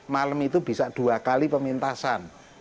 malam itu bisa dua kali pemintasan